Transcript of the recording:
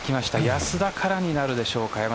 安田からになるでしょうか。